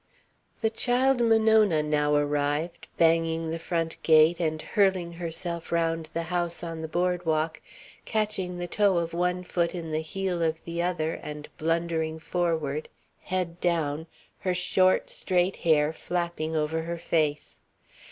The child Monona now arrived, banging the front gate and hurling herself round the house on the board walk, catching the toe of one foot in the heel of the other and blundering forward, head down, her short, straight hair flapping over her face.